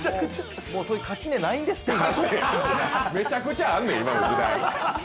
そういう垣根ないんですから。